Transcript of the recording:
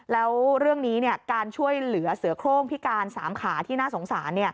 แล้วเรื่องนี้การช่วยเหลือเสือโครงพิการ๓ขาที่น่าสงสาร